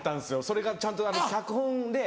それがちゃんと脚本で。